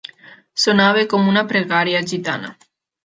Sonava com una pregària gitana.